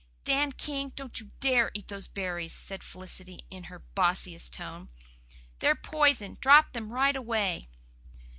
"Dan King, don't you DARE eat those berries," said Felicity in her "bossiest" tone. "They're poison. Drop them right away."